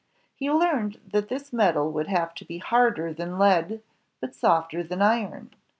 He learned that this metal would have to be harder than lead, but softer than iron.